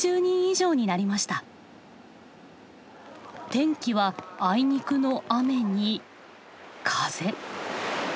天気はあいにくの雨に風。